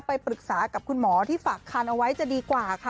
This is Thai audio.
ไปปรึกษากับคุณหมอที่ฝากคันเอาไว้จะดีกว่าค่ะ